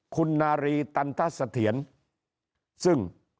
คุณนารีตันทสเถียนน์ซึ่ง